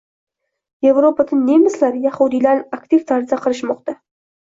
Yevropada nemislar yahudiylarni aktiv tarzda qirishmoqda.